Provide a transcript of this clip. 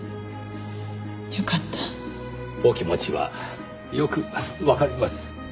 お気持ちはよくわかります。